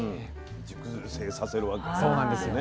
熟成させるわけですね。